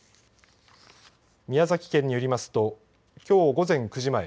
宮崎県によりますときょう午前９時前